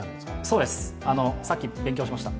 そうですさっき、勉強しました。